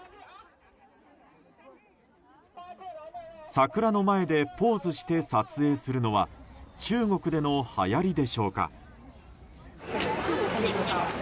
桜の前でポーズして撮影するのは中国でのはやりでしょうか。